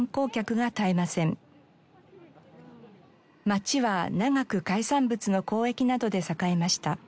街は長く海産物の交易などで栄えました。